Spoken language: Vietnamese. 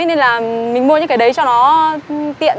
nên là mình mua những cái đấy cho nó tiện